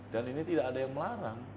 dan ini tidak ada yang melarang